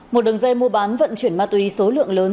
một đường dây mua bán vận chuyển ma túy số lượng lớn